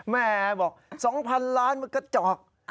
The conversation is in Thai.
แม่บอก๒๐๐๐ล้านมันกระจอก